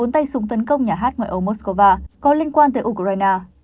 bốn tay súng tấn công nhà hát ngoại ô moscow có liên quan tới ukraine